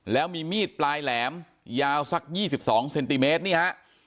แล้วมีมีดปลายแหลมยาวสัก๒๒เซนติเมตรนี่ฮะ